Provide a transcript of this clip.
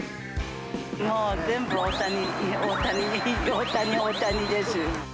もう全部大谷、大谷、大谷、大谷です。